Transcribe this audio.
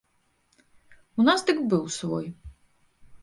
У нас дык быў свой.